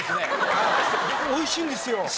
おいしいんですよ。